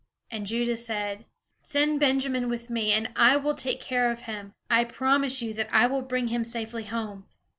And Judah said, "Send Benjamin with me, and I will take care of him. I promise you that I will bring him safely home.